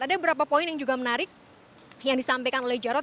ada beberapa poin yang juga menarik yang disampaikan oleh jarod